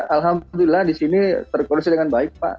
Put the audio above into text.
alhamdulillah di sini terkoneksi dengan baik pak